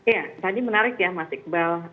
ya tadi menarik ya mas iqbal